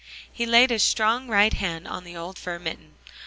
He laid his strong right hand in the old fur mitten.